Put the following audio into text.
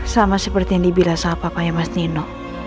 sama seperti yang dibilas apa apanya mas nino